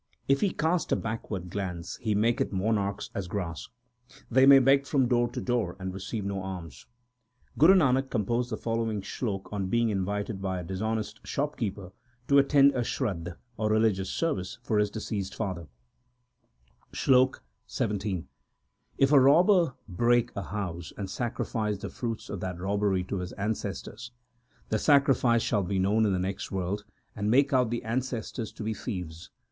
If He cast a backward glance, He maketh monarchs as grass ; l They may beg from door to door and receive no alms. Guru Nanak composed the following slok on being invited by a dishonest shopkeeper to attend a shradh, or religious service, for his deceased father: SLOK XVII If a robber break a house and sacrifice the fruits of that robbery to his ancestors, The sacrifice shall be known in the next world, and make out the ancestors to be thieves.